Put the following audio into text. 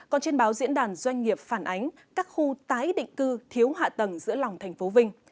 còn trên báo diễn đàn doanh nghiệp phản ánh các khu tái định cư thiếu hạ tầng giữa lòng thành phố vinh